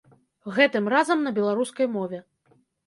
Гэтым разам на беларускай мове.